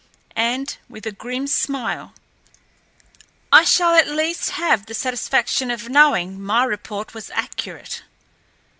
And, with a grim smile, "I shall at least have the satisfaction of knowing my report was accurate."